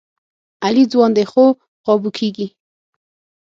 علي ځوان دی، خو قابو کېږي.